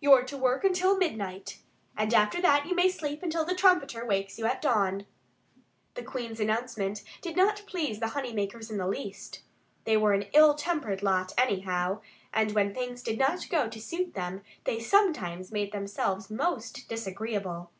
You're to work until midnight. And after that you may sleep until the trumpeter wakes you at dawn." The Queen's announcement did not please the honey makers in the least. They were an ill tempered lot, anyhow. And when things did not go to suit them they sometimes made themselves most disagreeable.